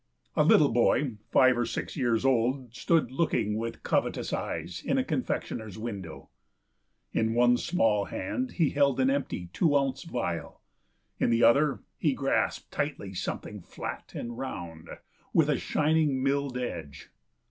A little boy, five or six years old, stood looking with covetous eyes in a confectioner's window. In one small hand he held an empty two ounce vial; in the other he grasped tightly something flat and round, with a shining milled edge.